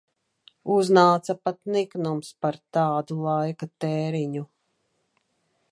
Uznāca pat niknums par tādu laika tēriņu.